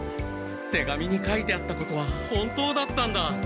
手紙に書いてあったことは本当だったんだ。